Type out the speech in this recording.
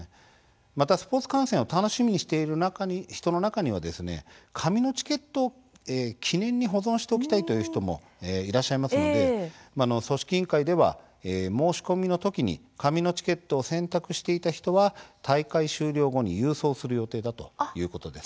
またスポーツ観戦を楽しみにしている人の中には紙のチケットを記念に保存しておきたいという人もいらっしゃいますので組織委員会では申し込みのときに紙のチケットを選択していた人は大会終了後に郵送する予定だということです。